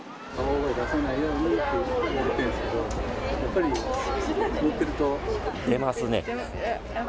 大声出さないようにって言われてるんですけど、やっぱり乗っ出ますね。